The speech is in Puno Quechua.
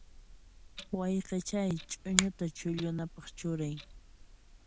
Wayqichay, ch'uñuta chullunanpaq churay.